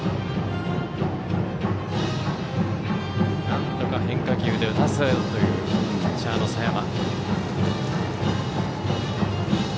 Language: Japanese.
なんとか変化球で打たせようというピッチャーの佐山。